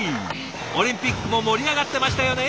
オリンピックも盛り上がってましたよね